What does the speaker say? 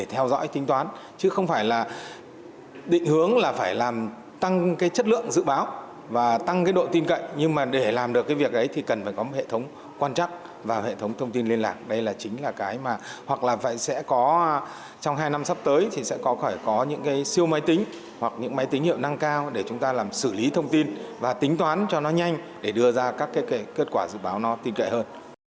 hoặc là sẽ có trong hai năm sắp tới thì sẽ có những siêu máy tính hoặc những máy tính hiệu nâng cao để chúng ta làm xử lý thông tin và tính toán cho nó nhanh để đưa ra các kết quả dự báo nó tin cậy hơn